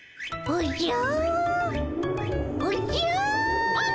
おじゃ！